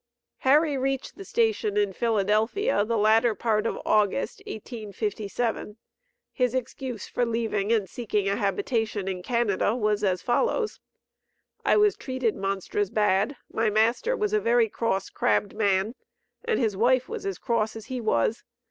Harry reached the station in Philadelphia, the latter part of August, 1857. His excuse for leaving and seeking a habitation in Canada, was as follows: "I was treated monstrous bad; my master was a very cross, crabbed man, and his wife was as cross as he was.